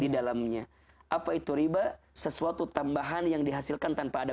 kertas dalam alquran adanya riba di dalamnya apa itu riba sesuatu tambahan yang dihasilkan tanpa ada